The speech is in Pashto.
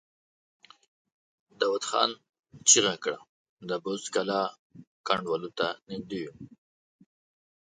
داوود خان چيغه کړه! د بست د کلا کنډوالو ته نږدې يو!